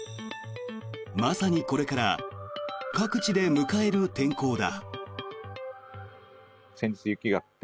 まさにこれから各地で迎える天候だ。